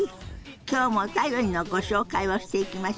今日もお便りのご紹介をしていきましょうか。